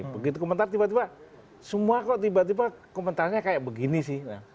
begitu komentar tiba tiba semua kok tiba tiba komentarnya kayak begini sih